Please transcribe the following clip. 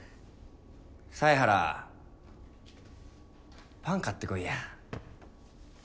犀原パン買ってこいや。